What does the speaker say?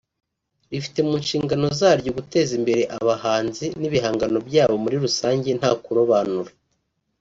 rifite mu nshingano zaryo guteza imbere abahanzi n’ibihangano byabo muri rusange nta kurobanura